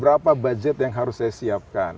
berapa budget yang harus saya siapkan